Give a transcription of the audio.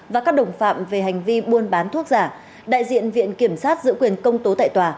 và các đồng phạm về hành vi buôn bán thuốc giả đại diện viện kiểm sát giữ quyền công tố tại tòa